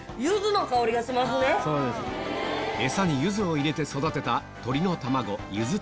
餌にゆずを入れて育てた鶏の卵